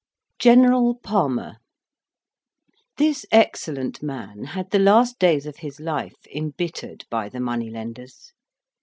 GENERAL PALMER This excellent man had the last days of his life embittered by the money lenders.